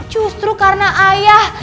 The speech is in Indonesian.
justru karena ayah